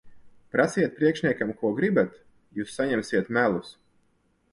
Prasiet priekšniekiem, ko gribat. Jūs saņemsiet melus.